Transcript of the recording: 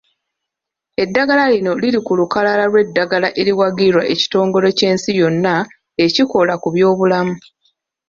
Eddagala lino liri ku lukalala lw'eddagala eriwagirwa Ekitongole ky'Ensi yonna ekikola ku byobulamu